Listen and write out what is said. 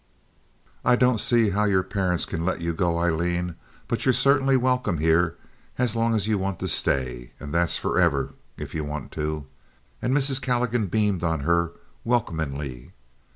"I don't see how your parents can let you go, Aileen; but you're certainly welcome here as long as you want to stay, and that's forever, if you want to." And Mrs. Calligan beamed on her welcomingly.